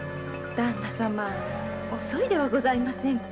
旦那様遅いではございませんか。